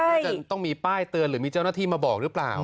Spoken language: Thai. น่าจะต้องมีป้ายเตือนหรือมีเจ้าหน้าที่มาบอกหรือเปล่า